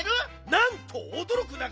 なんとおどろくなかれ。